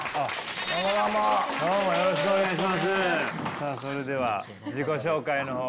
さあそれでは自己紹介の方を。